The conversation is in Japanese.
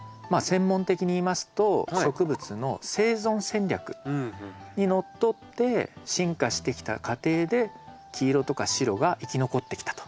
まあ専門的に言いますと植物の生存戦略にのっとって進化してきた過程で黄色とか白が生き残ってきたと。